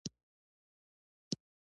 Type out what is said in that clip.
ګل د ارام سمبول دی.